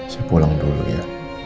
saya pulang dulu ya